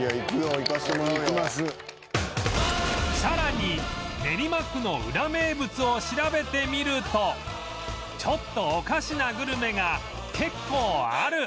さらに練馬区のウラ名物を調べてみるとちょっとおかしなグルメが結構ある！